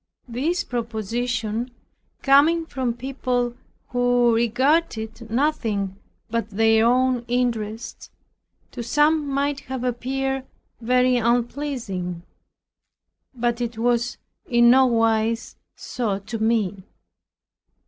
This proposition, coming from people who regarded nothing but their own interest, to some might have appeared very unpleasing; but it was in no wise so to me.